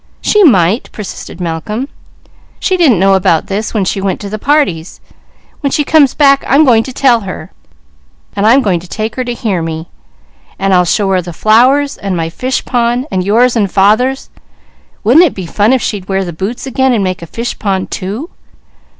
"She might!" persisted Malcolm. "She didn't know about this when she went to the parties. When she comes back I'm going to tell her; and I'm going to take her to hear me, and I'll show her the flowers and my fish pond, and yours and father's. Wouldn't it be fun if she'd wear the boots again, and make a fish pond too?"